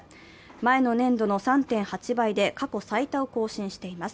前の年度の３．８倍で、過去最多を更新しています。